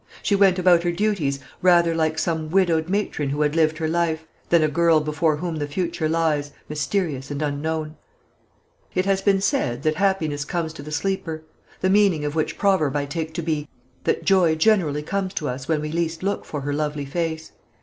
She went about her duties rather like some widowed matron who had lived her life, than a girl before whom the future lies, mysterious and unknown. It has been said that happiness comes to the sleeper the meaning of which proverb I take to be, that Joy generally comes to us when we least look for her lovely face.